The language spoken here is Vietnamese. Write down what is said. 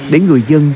để người dân